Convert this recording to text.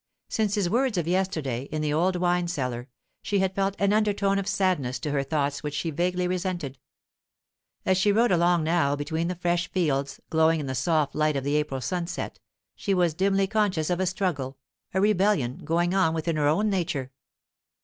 Since his words of yesterday, in the old wine cellar, she had felt an undertone of sadness to her thoughts which she vaguely resented. As she rode along now between the fresh fields, glowing in the soft light of the April sunset, she was dimly conscious of a struggle, a rebellion, going on within her own nature.